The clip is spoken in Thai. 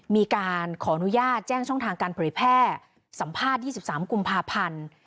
มีการขออนุญาตแจ้งช่องทางการเผยแพร่สัมภาษณ์๒๓กุมภาพันธ์